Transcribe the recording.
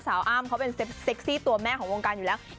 อ้ำเขาเป็นเซ็กซี่ตัวแม่ของวงการอยู่แล้ว